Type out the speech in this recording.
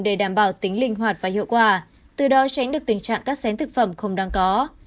để đảm bảo tính linh hoạt và hiệu quả từ đó tránh được tình trạng các xén thực phẩm không đáng có